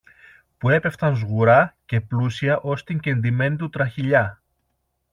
που έπεφταν σγουρά και πλούσια ως την κεντημένη του τραχηλιά.